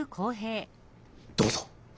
どうぞ！